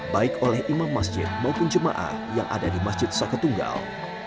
baik oleh imam masjid maupun jemaah yang ada di masjid saka tunggal